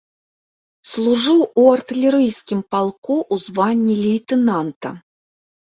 Служыў у артылерыйскім палку ў званні лейтэнанта.